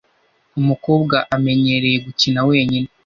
Umukobwa amenyereye gukina wenyine.